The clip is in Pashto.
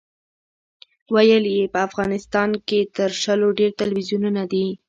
ویل یې په افغانستان کې تر شلو ډېر تلویزیونونه دي.